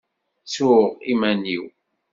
Ttuɣ iman-iw.